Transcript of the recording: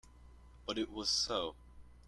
But it was so.